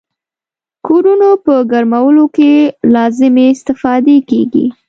کورونو په ګرمولو کې لازمې استفادې کیږي.